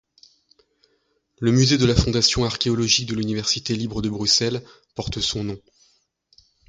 Le musée de la Fondation archéologique de l'Université libre de Bruxelles porte son nom.